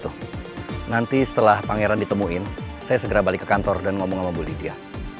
tuh nanti setelah pangeran ditemuin saya segera balik ke kantor dan ngomong sama bully dia